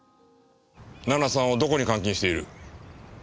奈々さんをどこに監禁している？